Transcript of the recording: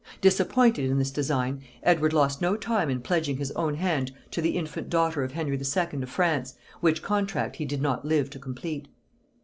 Disappointed in this design, Edward lost no time in pledging his own hand to the infant daughter of Henry II. of France, which contract he did not live to complete.